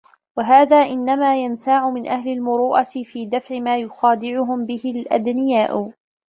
وَهَذَا إنَّمَا يَنْسَاعُ مِنْ أَهْلِ الْمُرُوءَةِ فِي دَفْعِ مَا يُخَادِعُهُمْ بِهِ الْأَدْنِيَاءُ